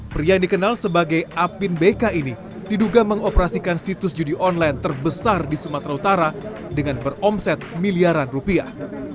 pria yang dikenal sebagai apin bk ini diduga mengoperasikan situs judi online terbesar di sumatera utara dengan beromset miliaran rupiah